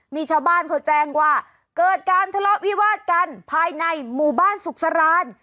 มีชาวบ้านเขาแจ้งว่าเกิดการทะเลาะวิวาดกันภายในหมู่บ้านสุขสราน